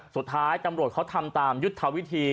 สุดท้ายตำรวจเขาทำตามยุทธวิธี